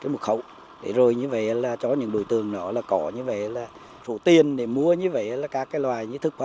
một trong những ngôi trường ở dốn lũ hương khê